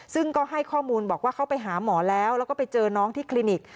ซึ่งก็ให้ข้อมูลบอกว่าเขาไปหาหมอแล้วแล้วก็ไปเจอน้องที่คลินิก